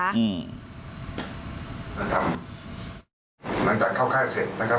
หลังจากเข้าค่ายเสร็จนะครับ